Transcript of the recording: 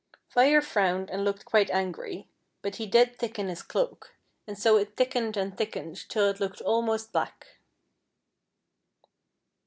Fire frowned and looked quite angry ; but he did thicken his cloak, and so it thickened and thickened till it looked almost black.